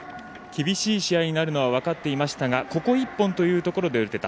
厳しい試合になるのは分かっていましたがここ一本というところで打てた。